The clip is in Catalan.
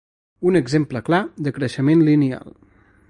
Un exemple clar de creixement lineal.